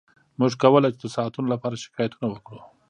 موږ کولی شو د ساعتونو لپاره شکایتونه وکړو